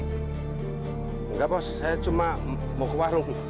tidak bos saya cuma mau ke warung